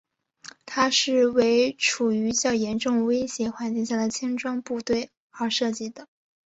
它是为处于较严重威胁环境下的轻装部队而设计的。